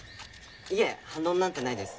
いえ反論なんてないです。